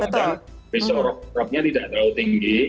mungkin romnya tidak terlalu tinggi